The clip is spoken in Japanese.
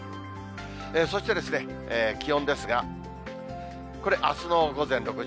そして気温ですが、これ、あすの午前６時。